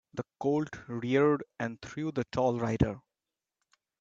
The colt reared and threw the tall rider.